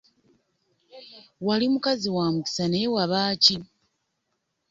Wali mukazi wa mukisa naye waba ki?